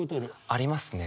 ありますね。